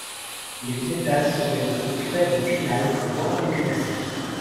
Les Gnétales seraient le groupe frère des Pinales, voire des Pinacées.